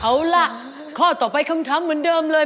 เอาล่ะข้อต่อไปคำช้ำเหมือนเดิมเลย